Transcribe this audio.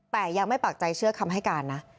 แต่ยังไม่ปากใจเชื่อคำให้การนะ